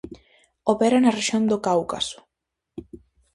Opera na rexión do Cáucaso.